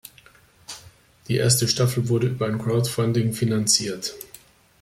Die erste Staffel wurde über ein Crowdfunding finanziert.